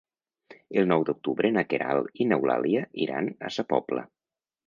El nou d'octubre na Queralt i n'Eulàlia iran a Sa Pobla.